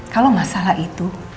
kalau masalah itu